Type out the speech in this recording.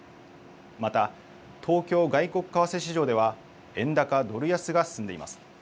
また東京外国為替市場では円高ドル安が進んでいます。